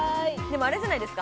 あれじゃないですか？